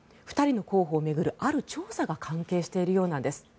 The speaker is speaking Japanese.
２人の候補を巡るある調査が関係しているようなんです。